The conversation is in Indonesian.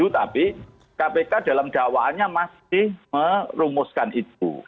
tapi kpk dalam dakwaannya masih merumuskan itu